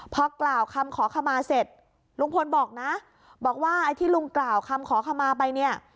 พอกล่าวคำขอขมาเสร็จลุงพลบอกนะบอกว่าไอ้ที่ลุงกล่าวคำขอขมาไปเนี่ย